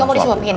gak mau disuapin